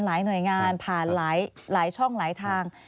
หน่วยงานผ่านหลายช่องหลายทาง